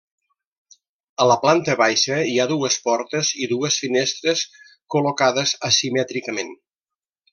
A la planta baixa hi ha dues portes i dues finestres col·locades asimètricament.